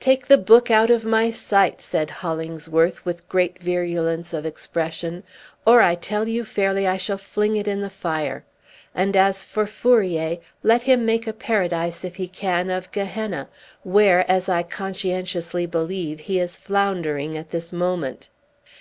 "Take the book out of my sight," said Hollingsworth with great virulence of expression, "or, I tell you fairly, I shall fling it in the fire! And as for Fourier, let him make a Paradise, if he can, of Gehenna, where, as I conscientiously believe, he is floundering at this moment!"